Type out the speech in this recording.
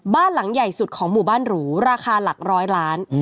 บ้านหลังใหญ่สุดของหมู่บ้านหรูราคาหลักร้อยล้าน